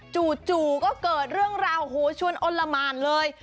จู่ก็เกิดเรื่องราวโหชวนอ้นละหมานเลย